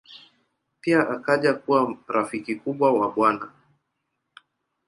Pia akaja kuwa rafiki mkubwa wa Bw.